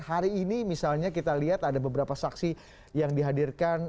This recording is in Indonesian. hari ini misalnya kita lihat ada beberapa saksi yang dihadirkan